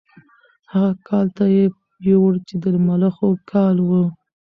هغه کال ته یې یوړ چې د ملخو کال و.